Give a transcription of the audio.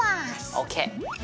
ＯＫ！